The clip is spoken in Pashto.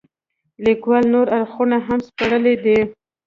لیکوال نور اړخونه هم سپړلي دي.